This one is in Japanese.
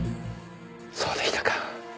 そうでしたか。